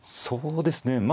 そうですね